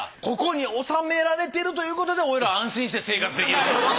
ここにおさめられてるということで俺ら安心して生活できる。